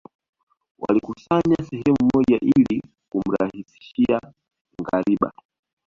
Walikusanywa sehemu moja ili kumrahisishia ngariba